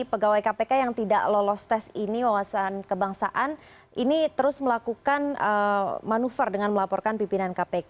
pegawai kpk yang tidak lolos tes ini wawasan kebangsaan ini terus melakukan manuver dengan melaporkan pimpinan kpk